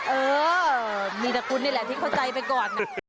เออมีตระกุลนี่แหละที่เข้าใจไปก่อน